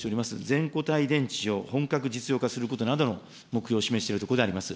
全個体電池を本格実用化することなどの目標を示しているところであります。